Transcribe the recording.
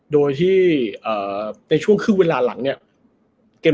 โดยที่ในช่วงครึ่งเวลาหลังเนี่ย